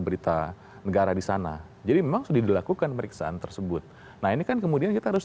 berita negara di sana jadi memang sudah dilakukan periksaan tersebut nah ini kan kemudian kita harus